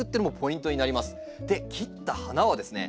で切った花はですね